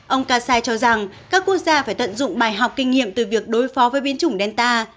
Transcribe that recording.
ông kasai cho rằng các quốc gia phải tận dụng bài học kinh nghiệm từ việc đối phó với biến chủng delta